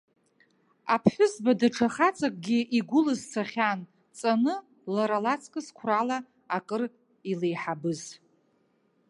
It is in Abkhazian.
Аԥҳәызба даҽа хаҵакгьы игәы лызцахьан, ҵаны, лара лаҵкыс қәрала акыр илеиҳабыз.